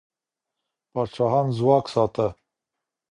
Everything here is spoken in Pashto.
پاچاهان ځواک ساته.